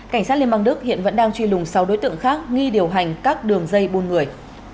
cảnh sát liên bang đức hiện vẫn đang truy lùng sáu đối tượng khác nghi điều hành các đường dây buôn người